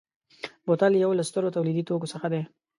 بوتل یو له سترو تولیدي توکو څخه دی.